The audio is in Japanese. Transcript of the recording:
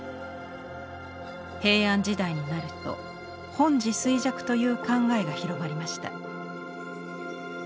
平安時代になると「本地垂迹」という考えが広まりました。